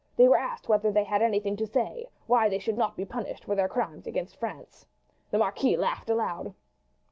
They were asked whether they had anything to say why they should not be punished for their crimes against France. The marquis laughed aloud.